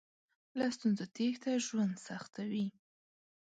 له ستونزو تېښته ژوند سختوي.